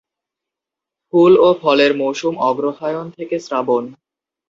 ফুল ও ফলের মৌসুম অগ্রহায়ণ থেকে শ্রাবণ।